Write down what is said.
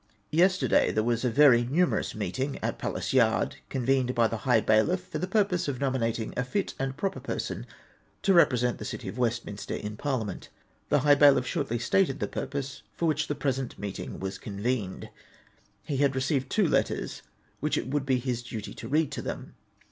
Yesterday there was a very numerous meeting at Palace Yard, convened by the high bailiff, for the purpose of nomi nating a fit and proper person to represent the City of Westminster in Parliament. The high bailiff shortly stated the purpose for wliich the present meeting was convened. He had received two letters, which it would be his duty to read to them.